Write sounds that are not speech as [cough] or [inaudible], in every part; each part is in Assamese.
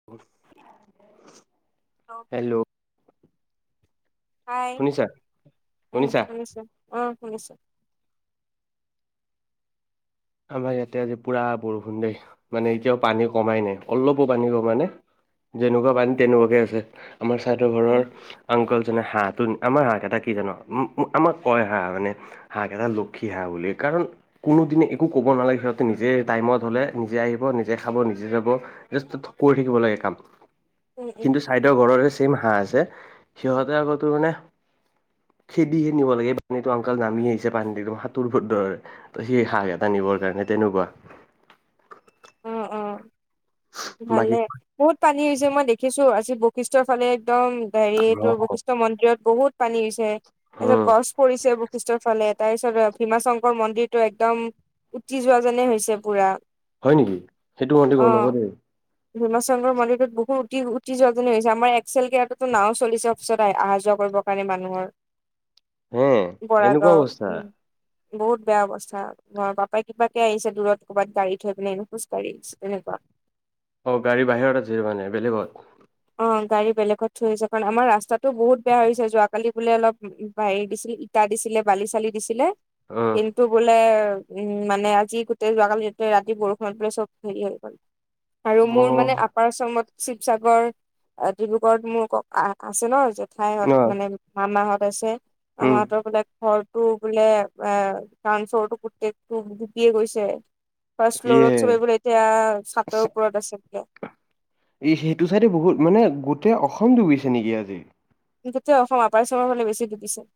[inaudible] অঁ হেল্ল হাই, শুনিছা উম শুনিছা শুনিছো, অ' শুনিছো। আমাৰ ইয়াতে আজি পোৰা বৰষুণ দেই, মানে এতিয়াও পানী কমাই নাই, অলপো পানী কম নাই। যেনেকুৱা পানী তেনেকুৱাকে আছে, আমাৰ চাইদৰ ঘৰৰ উম আংকাল যেনে হাঁহ টো, আমাৰ হাঁহ কেইটা কি জানো, উ উম আমাক কয় হা মানে। হাঁহকেইটা লক্ষী হাঁহ বুলি কাৰণে, কোনোদিনে এক একো ক'ব নালাগে সিহঁত নিজে টাইমত হ'লে, নিজে আহিব, নিজে খাব, নিজে যাব। জাষ্ট কৈ থাকিব লাগে কামটো উম উম কিন্তু ছাইদৰ ঘৰৰে চেম হাঁহ আছে, সিহঁতে আকৌ তোৰ মানে [inaudible] খেদিহে নিব লাগে, পানীটো উনকল নামি আহিছে, পানীটো সাঁতোৰিব দৰে, হে হাঁহ হে টানিব লগে, তেনেকুৱা। উম, উম বাকী ভালে। বহুত পানী হৈছে মই দেখিছো, আজি বৈশিষ্ঠৰ ফালে একদম হেৰি, এইটো বৈশিষ্ঠ মন্দিৰত বহুত পানী হৈছে। তাৰ পিছত উম গছ পৰিছে বৈশিষ্টৰ ফালে। তাৰ পিছত, ভীমা শংকৰ মন্দিৰটো একদম উটি যোৱা যেনে হৈছে পোৰা। হয় নেকি। সেইটো মই দিব নোৱাৰোঁ। হিমাচংগ্ৰ মন্দিৰটোত বহু উটি উটি জুৱা যেন হৈছে। আমাৰ এক্সেল কেৰাততো নাওঁ চলিছে অফিচত আহা যোৱা কৰিব। তাৰে মানুহৰ, হে এনেকুৱা বৰাগাঁও, অৱস্থা উম। বহুত বেয়া অৱস্থা। ঘৰ বাপেক কিবাকে আহিছে দূৰত কবাত গাড়ী থৈ পিনে। খোজকাঢ়ি খোজকাঢ়ি অ', গাড়ী বাহিৰত আছে মানে বেলেগত? অ', গাড়ী বেলেগত থৈ আহিছে। কাৰণ আমাৰ ৰাস্তাতো বহুত বেয়া হৈছে যোৱাকালি বোলে অলপ উ, বাৰি দিছিলে, ইটা দিছিলে, বালি-চালি দিছিলে অ হেৰি টো বোলে উম মানে আজি গোটেই যোৱাকালি এ ৰাতি বৰষুণত বোলে চব হেৰি হৈ গ'ল। আৰু অ মোৰ মানে আপাৰ আচামত শিৱসাগৰ এ ডিব্ৰুগড়ত মোৰ ককা আছে ন, ন জেঠাইহত মানে মামাহত আছে। উম মামাহঁতৰ ফালে ঘৰ ও বোলে এ ডাউন ফ্লৰটো গোটেইটো ডুবিয়ে গৈছে। ফাষ্ট ইয়ে ফ্ল'ৰত চবেই বোলে এতিয়া ছাতৰ ওপৰত আছে বোলে। ই, সেইটো চাইডে বহুত মানে গোটেই অসম ডুবিছে নেকি আজি? গোটেই অসম আপাৰ আছামৰ ফালে বেছি ডুবিছে।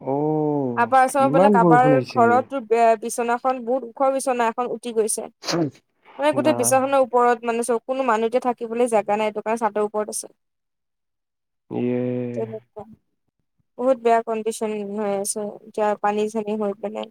অ'। আপাৰ আছামত বোলে ইমান কাবাৰ বৰষুণ আহিছে ঘৰতোট বেয়া বিচনাখন বহুত ওখ বিচনা এখন উটি গৈছে। মানে বা গোটেই বিচনাখনৰ ওপৰত মানে চ, কোনো মানুহতে থাকিবলে জাগা নাই চাডৰ ওপৰত আছে। ইয়ে বহুত বেয়া কণ্ডিচন হৈ আছে। যাৰ পানী ছানি হয় পেলাই।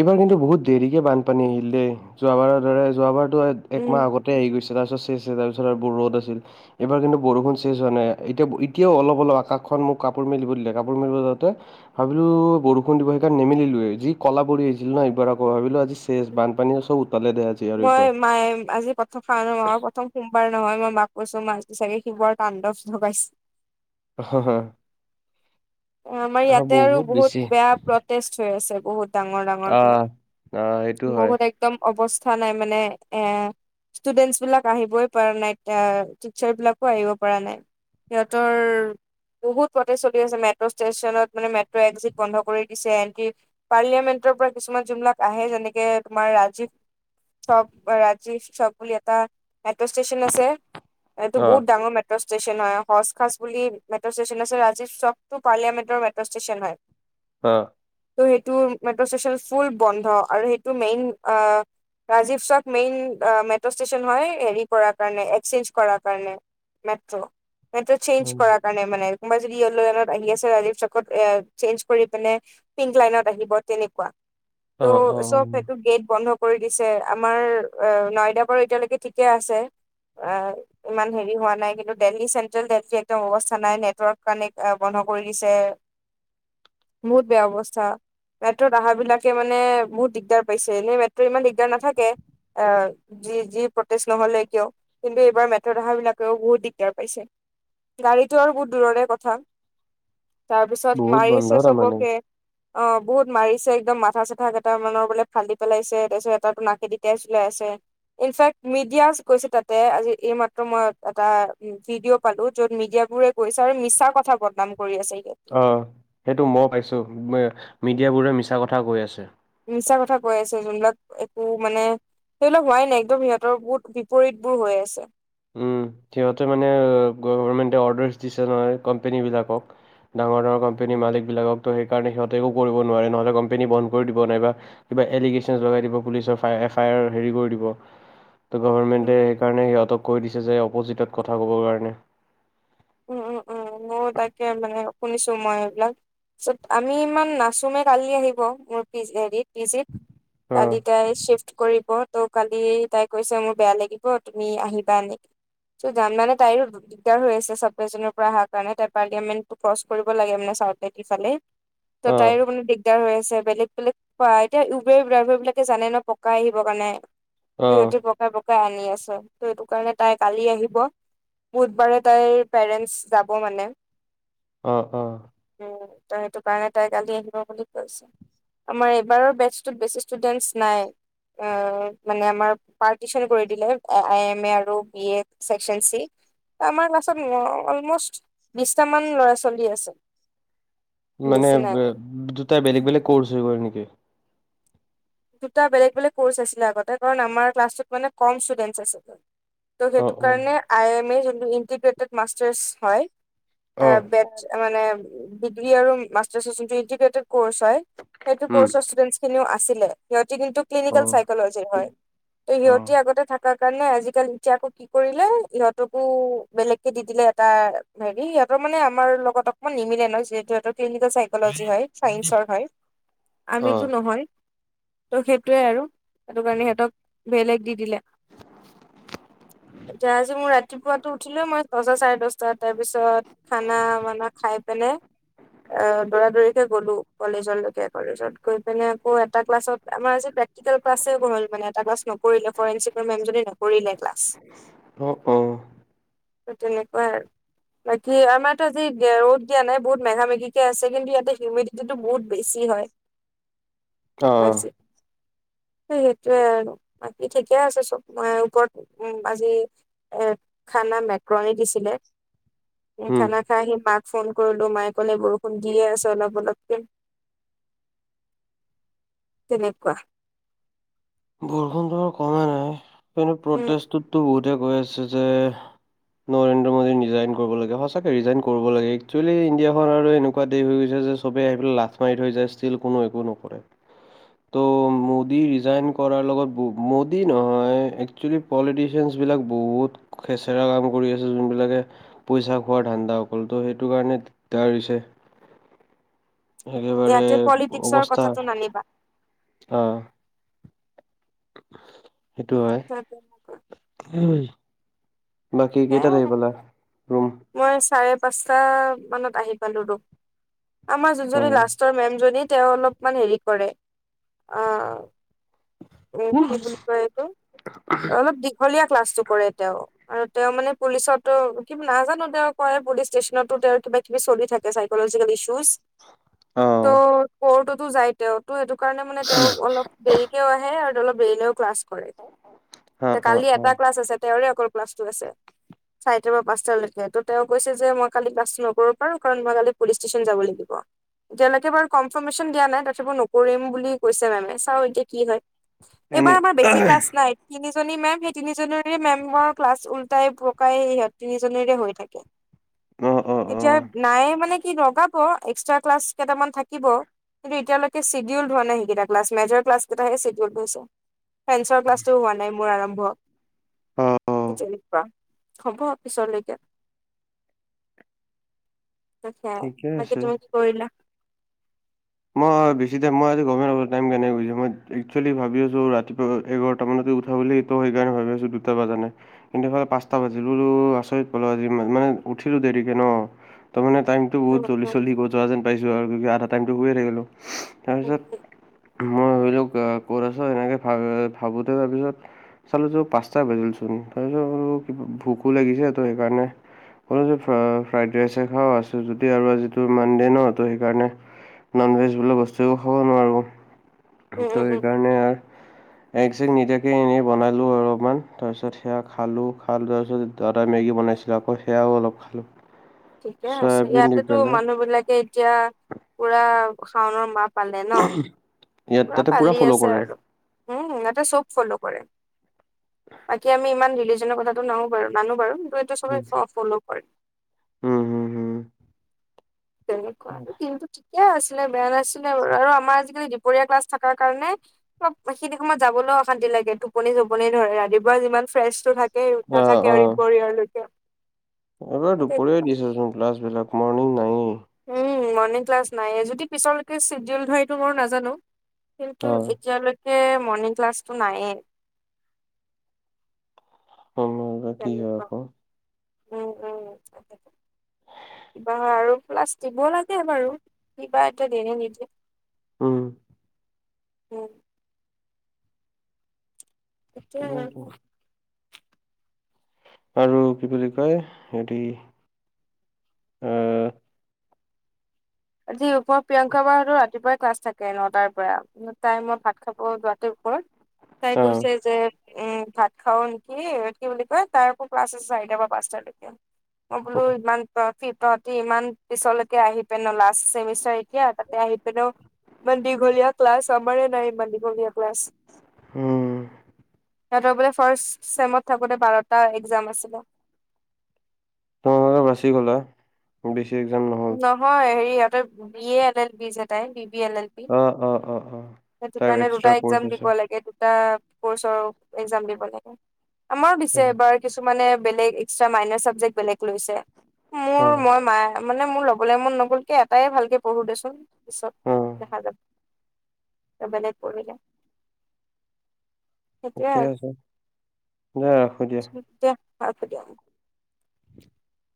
এইবাৰ কিন্তু বহুত দেৰিকে বানপানী আহিল দেই। যোৱাবাৰৰ দৰে যোৱাবাৰতো উম এক-একমাহ আগত কে, আহি গৈছে তাৰপিছত চেচে তাৰপিছত আৰু বৰ ৰ'দ আছিল। এইবাৰ কিন্তু বৰষুণ চেছ হোৱা নাই। এতিয়া এতিয়াও অলপ অলপ আকাশখন মোক কাপোৰ মেলিব দিলে কাপোৰ মেলিব যাওঁতে ভাবিলো বৰষুণ দিব সেইকাৰণে নেমেলিলোয়েই। যি কলা পৰি আহিছিল ন' একবাৰ আকৌ ভাবিলো আজি চেছ বানপানীয়ে চব উতালে দে আজ মই মায়ে আজি প শাওনৰ মাহৰ প্ৰথম সোমবাৰ নহয় মই মাক কৈছো মাহতোটো চাগে শিৱৰ তাণ্ডৱ জগাইছে হ হ হ অ', আমাৰ ইয়াতে আৰু বহুত বেয়া প্ৰটেষ্ট হৈ আছে বহুত। ডাঙৰ ডাঙৰকে। আহ আহ সেইটো হয় বহুত একদম অৱস্থা নাই মানে এ ষ্টুডেন্টচ বিলাক আহিবই পাৰা নাই এ টিচাৰ বিলাকো আহিব পাৰা নাই। সিহঁতৰ বহুত প্ৰতেছ চলি আছে মেট পষ্ট ষ্টেচনত মানে মেট্ৰ' একজিত বন্ধ কৰি দিছে এণ্ট্ৰি পাৰ্লিয়ামেণ্টৰ পৰা কিছুমান যোনবিলাক আহে যেনেকে তোমাৰ ৰাজীৱ চব ৰাজিছ চক বুলি এটা মেট্ৰ' ষ্টেচন আছে। এইটো অ বহুত ডাঙৰ মেট টচ, ষ্টেচন হয় হচ খাচ বুলি মেট্ৰ' ষ্টেচন আছে ৰাজীৱ চক তো, পাৰ্লিয়ামেণ্টৰ মেট্ৰ ষ্টেচন হয়। অ। ত, সেইটো মেট্ৰ ষ্টেচন ফুল বন্ধ আৰু সেইটো মেইন আ ৰাজীৱ চক মেইন আ, মেট্ৰ ষ্টচন হয় হেৰি কৰাৰ কাৰণে একচেন্স কৰা কাৰণে। মেট্ৰ'। মেট্ৰ' চেঞ্জ কৰাৰ কাৰণে মানে কোনবাই যদি য়েল্ল এলাৰ্ট আহি আছে ৰাজীৱ চকত এ, চেন্স কৰি পিনে পিংক লাইনত আহিব তেনেকুৱা। অ অ ত' অ চব সেইটো গেট বন্ধ কৰি দিছে আমাৰ আ, নাইডাকৰ এতিয়ালৈকে ঠিকে আছে। আ, ইমান হেৰি হোৱা নাই কিন্তু দেলহি চেন্ট্ৰেল দেফটো একদম অৱস্থা নাই নেটৱৰ্ক কানেক্ট আ বন্ধ কৰি দিছে। বহুত বেয়া অৱস্থা। মেট্ৰত আহাবিলাকে মানে বহুত দিগদাৰ পাইছে এনে মেট্ৰ' ইমান দিগদাৰ নাথাকে। আ যি যি প্ৰটেষ্ট নহ'লে কিয়, কিন্তু এইবাৰ মেট্ৰত আহাবিলাকেও বহুত দিগদাৰ পাইছে। গাড়ীতো আৰু বহুত দূৰৰে কথা তাৰপিছত বহুত বন্ধ মাৰিছে তাৰমানে চবকে অ বহুত মাৰিছে একদম মাথা চাথা কেইটামানৰ বোলে ফালী পেলাইছে। তাৰপিছত এটা তো নাকেদি দি তেজ ওলাই আছে। ইনফেক্ট মিডিয়াস গৈছে তাতে আজি এইমাত্ৰ মই এটা ভিডিঅ' পালো য'ত মিডিয়াবোৰে কৈছা আৰু মিছা কথা বদনাম কৰি আছেগে অ সেইটো মই পাইছো মি মিডিয়াবোৰে মিছা কথা কৈ আছে মিছা কথা কৈ আছে যোনবিলাক একো মানে সেইবিলাক হোৱাই নাই একদম সিহঁতৰ বহুত বিপৰীত বোৰ হৈ আছে উম, সিহঁতে মানে গভমেণ্টে অৰ্ডাৰছ দিছে নহয় কম্পেনী বিলাকক। ডাঙৰ ডাঙৰ কম্পেনী মালিক বিলাকক তো সেইকাৰণে সিহঁতে একো কৰিব নোৱাৰে নহ'লে কম্পেনী বন্ধ কৰি দিব। নাই বা কিবা এলিগেচনচ্ লগাই দিব পুলিচ ফায়া এফায়াৰ হেৰি কৰি দিব। ত' উম গভাৰমেণ্টে এইকাৰণে ইহঁতক কৈ দিছে যে অপ'জিটত কথা ক'বৰ কাৰণে। উম, উম, উম, মইও তাকে মানে শুনিছো মই এইবিলাক। চব, আমি ইমান নাচো নে কালি আহিব। মোৰ পিচ হেৰিত পিজিত অ', কালি তাই চিফ্ট কৰিব ত' কালি তাই কৈছে মোৰ বেয়া লাগিব তুমি আহিবা এনে চ' জাম মানে তাইৰো দিগদাৰ হৈ আছে চব উৱেচ জুনৰ পৰা অহাৰ কাৰণে তাই পাৰ্লিয়ামেণ্ট ক্ৰছ কৰিব লাগে মানে চাউট দিফালে ত অ', তাইৰো মানে দিগ দিগাৰ হৈ আছে বেলেগ বেলেগ প্ৰায় এতিয়া উবেৰ ড্ৰাইভাৰ বিলাকে জানে ন পকাই আহিবৰ কাৰণে সে অ', সিহেটি পক ত পকাই আনি আছে ত সেইটো কাৰণে তাই কালি আহিব বুধবাৰে তাইৰ পেৰেন্টচ যাব মানে অ অ উ ত সেইটো কাৰণে তাই কালি আহিব বুলি কৈছে। আমাৰ এইবাৰৰ বেটছটোত বেছি ষ্টুডেন্টছ নাই মানে আমাৰ পাৰটিচন কৰি দিলে আই এম এ আৰু বি এ চেকচন চি। আমাৰ ক্লাছত অলমষ্ট বিশটামান ল'ৰা ছোৱালী আছে। মানে বেছি নাই দুটা বেলেগ বেলেগ কৰ্চ হৈ গ'ল নেকি? দুটা বেলেগ বেলেগ ক'ৰ্চ আছিলে আগতে কাৰণ আমাৰ ক্লাছত মানে কম ষ্টুডেন্ট আছিল। ত' সেইটো অ', অ', কাৰণে আই এম এ যোনটো ইণ্টিগ্ৰেটেড মাষ্টাৰছ হয় অ', বে মানে ডিগ্ৰী আৰু মাচটাৰকোৰ্চ হয় সেইটো উম, সেইখিনি ও আছিলে সিহঁতি কিন্তু ক্লিনিকেল অ', চাইকলজি হয় অ', সিহঁতি আগতে থাকি কাৰণে আজিকালি ক কি কৰিলে ইিহঁতকো বেলেগ কে দি দিলে এটা হেৰি সিহঁতৰ মানে আমাৰ লগত- মই নিমিলে ন যিহেতুহৰ ক্লিনিকেল চাইকলজি হয় চাইন্সৰ হয় অ'। আমিতো নহয় ত' সেইটোৱে আৰু সেইটো কাৰণে সিহঁতক বেলেগ দি দিলে। এতিয়া আজি মোৰ ৰাতিপুৱাটো উঠিলোঁ মই দহটা চাৰে দহটা তাৰপিছত খানা মানা খাই পিনে অ দৌৰা দৌৰিকে গলো কলেজৰলৈকে কলেজত গৈ পেনে আকৌ এটা ক্লাছত আমাৰ আজি প্ৰেক্টিকেল ক্লাছে হ'ল মানে এটা ক্লছ ন ফৰেনঞ্চিকৰ মেমজনিয়ে নকৰিলে ক্লাছ। অ', অ', ত তেনেকুৱাই আৰু বাকী আমাৰতো আজি ৰ'দ দিয়া নাই বহুত মেঘা মেগিকে আছে কিন্তু ইয়াতে হিউমিডিটি টো বহুত বেছি হয়। [inaudible] অ সেই সেইটোৱে আৰু বাকী ঠিকে আছে চব ওপৰত উ আজি এ খানা মেক্ৰণী দিছিলে। হম। খানা খাই আহি মাক ফোন কৰিলো মায়ে কলে, বৰষুণ দিয়ে আছে অলপ অলপকে। তেনেকুৱা বৰষুণটো কমাই নাই। কিন্তু উম প্ৰটেষ্টটোততো বহুতেই কৈ আছে যে [inaudible] নৰেন্দ্ৰ মোডী ৰিজাইন কৰিব লাগে সচাকে ৰিজাইন কৰিব লাগে একচুৱেলি ইণ্ডিয়াখন আৰু এনেকুৱা দেশ হৈ গৈছে যে চবে আহি লাট মাৰি থৈ যায় ষ্টিল কোনো একো নকৰে টো মোডী ৰীজাইন কৰাৰ লগত মোদী নহয় এক্সুৱেলী পলিটিচিয়ানছবিলাক বহুত খেচেৰা কাম কৰি আছে যোনবিলাকে পইচা খোৱাৰ ধান্দা অকল তো সেইটো কাৰণে দিগদাৰ হৈছে একেবাৰে ইয়াতে পলিটিক্সৰ অৱস্থা কথাটো নানিবা অহ সেইটো হয় সেই তেনেকুৱা। বাকী কেইটাত আহি সেয়াই পালা ৰুম? মই চাৰে পাঁচটা মানত আহি পালো ৰুম। আমাৰ অ যোনজনি লাষ্টৰ মেম জনি তেঁও অলপমান হেৰি কৰে আহ এ কি বুলি কয় এইটো - অলপ দীঘলীয়া ক্লাছটো কৰে তেওঁ আৰু তেওঁ মানে পুলিচতো কিব নাজানো তেওঁ কয় পুলিচ ষ্টেচনতো তেওঁ কিবা কিবি চলি থাকে এই চাইকলজিকেল ইশুজ অ তো কোৰ্টতো যাই তেওঁ তো এইটো কাৰণে মানে তেওঁ অলপ দেৰিকেও আহে আৰু অলপ দেৰিলেও ক্লাছ কৰে অ অ কালি অ এটা ক্লাছ আছে তেওঁৰে অকল ক্লাছটো আছে চাৰিটাৰ পৰা পাচটালৈকে তো' তেওঁ কৈছে যে মই কালি ক্লাছ নকৰিব পাৰো কাৰণ মই কালি পুলিচ ষ্টেচন যাব লাগিব। এতিয়ালৈকে বাৰু কনফাৰ্মেচন দিয়া নাই তথাপিও নকৰিম বুলি কৈছে মেমে চাও এতিয়া কি হয়। এনে এইবাৰ আমাৰ বেছি ক্লাছ নাই তিনিজনী মেম সেই তিনিজনী মেমৰ ক্লাছ উল্টাই পকাই, সিহঁত তিনিজনীৰে হৈ থাকে। অহ, অহ, অহ, এতিয়া নাই মানে কি লগাব, এক্সট্ৰা ক্লাছ কেইটামান থাকিব। কিন্ত এতিয়ালৈকে চিডিউল হোৱা নাই, সেইকেইটা ক্লাচ মেজৰ ক্লাছ কেইটাহে চিডিউল হৈছে। চাইনঞ্চৰ ক্লাছটো হোৱা নাই, মোৰ আৰম্ভ। অ অ সেই, তেনেকুৱা, হ'ব পিছলৈকে। তকে ঠিকে বাকী, আছে তুমি কি কৰিলা? মই বেছি টাইম, মই আজি গমেই নাপালো টাইম কেনেকৈ গৈছে, মই এক্সুৱেলী ভাবি আছো, ৰাতিপুৱা এঘাৰটামানতে উঠা বুলি। ত, সেইকাৰণে ভাবি আছো, দুটা বজা নাই। কিন্তু ইফালে পাঁচটা বাজিল, বোলো আচৰিত পালো আজি মানে উঠিলো দেৰিকে ন, ত, মানে টাইম টো, বহুত উম জল্দি উম চলি যোৱা যেন পাইছো, আৰু আধা টাইমটো শুয়ে থাকিলো, তাৰ উম পিছত [inaudible] পিছত, এনেকে ভা, ভাবোতে তাৰপিছত চালো তো, পাঁচটা বাজিলচোন তাৰপিছত কিবা, ভোকো লাগিছে ত, সেইকাৰণে ক'লো যে, ফ্ৰাইড ৰাইচে খাওঁ, আছোঁ যদি আৰু আজি টো মানডে' ন, ত, সেইকাৰণে নন, ভেজ বোলা বস্তুও খাব নোৱাৰোঁ, উম ত, উম উম সেইকাৰণে এগ, চেক নিদিয়াকে এনেই বনালোঁ অলপমান, তাৰপিছত সেয়া খালোঁ, খালোঁ তাৰপিছত ত, তই মেগী বনাইছিল আকৌ সেয়াও অলপ খালোঁ। ঠিকে আছে, চয়াবিন দি ইয়াতেতো পেলাই মানুহ বিলাকে এতিয়া, পুৰা শাওনৰ মাহ পালে ন, ইয়াত পুৰা তাতে পূৰা পালি ফ'ল' আছে কৰে আৰু উম, সিহতে চব ফলৌ' কৰে। বাকী আমি ইমান ৰিলিজনৰ কথাটো নানো, বাৰু কিন্তু এইটো চবে ফ'লৌ কৰে। উম, হম, হম, তেনেকুৱা আৰু কিন্তু ঠিকে আছিলে, বেয়া নাছিলে আৰু আমাৰ আজিকালি দুপৰীয়া ক্লাছ থাকাৰ কাৰণে অলপ সিখিনি সময়ত যাবলৈও অশান্তি লাগে, টোপনি- চোপনি ধৰে ৰাতিপুৱা যিমান ফ্ৰেছ টো থাক তাকেই অঁ নাথাকে আৰু অঁ ৰিপৰয়ালৈকে। এইবাৰ দুপৰীয়াই দিছেচোন, ক্লাছ বিলাক, মৰ্ণিং নাইয়েই। উম, মৰ্ণিং ক্লাছ নাইয়েই, যদি পিছলৈকে চ্বিডিউল হয় এইটো মই নাজানো। কিন্তু অ এতিয়ালৈকে, মৰ্ণিং ক্লাছটো নাইয়ে। তেনেকুৱা [inaudible] উম, উম, কিবা হয় আৰু প্লাষ্ট দিব লাগে বাৰু, কিবা এতিয়া দিয়ে নে, নিদিয়ে? উম, উম, সেইটোয়ে [unintelligible] আৰু কি বুলি কয়? হেৰি, আহ, আজি ওপ, প্ৰিয়ংকা বাৰ হয়তো ৰাতিপুৱাই ক্লাছ থাকে, নটাৰ পৰা। তাই মই ভাত খাব লোৱাটোৰ ওপৰত, তাই কৈছে যে উম, ভাত খাওঁ নেকি, কি বুলি কয়, তাৰ আকৌ ক্লাছ আছে, চাৰিটাৰ পৰা পাঁচটালৈকে। মই অ বোলো ইমান [inaudible] পিছলৈকে আহি পেনোলা চেমিষ্টাৰ এতিয়া তাতে আহি পেনেও, ইমান দীঘলীয়া ক্লাছ আমাৰেই নাই ইমান দিঘ ক্লাছ। উম সিহঁতৰ বোলে ফাৰ্ষ্ট চেমত থাকোঁতে বাৰটা এক্সাম এই আছিলে। তোমালোকে বাছি গ'লা, বেছি এক্সাম নহ'ল। হয়, হেৰি ইহঁতৰ বি, এ, এল, এল তাই B, B, L, L, B. অ, অ, অ, অ, সেইটো তাৰ কাৰণে দুটা এক্সট্ৰা কৰ্চ এক্সাম আছে দিব লাগে দুটা কৰ্চৰ এক্সাম দিব লাগে। আমাৰো অ দিছে এইবাৰ কিছুমানে বেলেগ এক্সট্ৰা মাইনৰ চাবজেক্ট বেলেগ লৈছে। অ মোৰ মই মা। মানে মোৰ লবলৈ মন নগল কে এটাই ভালকে পঢ়ো দেচোন পিছত অ দেখা যাব। বেলেগ পঢ়িলে ঠিকে আছে দিয়া ৰাখো দিয়া [unintelligible] [inaudible]